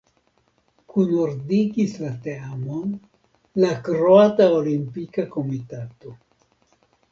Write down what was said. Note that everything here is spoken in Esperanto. Kunordigis la teamon la Kroata Olimpika Komitato.